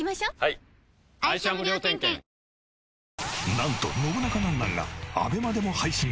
なんと『ノブナカなんなん？』がＡＢＥＭＡでも配信。